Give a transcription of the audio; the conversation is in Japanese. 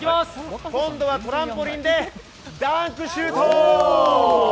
今度はトランポリンでダンクシュート！